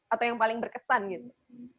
atau yang paling berkesan gitu